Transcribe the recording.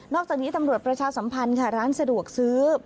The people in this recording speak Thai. จากนี้ตำรวจประชาสัมพันธ์ค่ะร้านสะดวกซื้อ